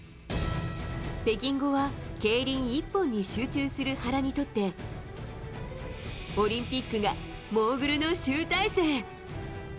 北京後は競輪一本に集中する原にとってオリンピックがモーグルの集大成。